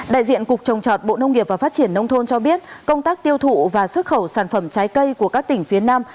đại diện cục trồng trọt bộ nông nghiệp và phát triển nông thôn cho biết công tác tiêu thụ và xuất khẩu sản phẩm trái cây của các tỉnh phía nam